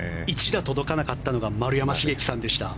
１打届かなかったのが丸山茂樹さんでした。